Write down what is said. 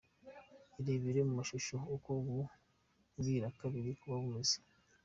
Irebere mu mashusho uko ubu bwirakabiri buba bumeze.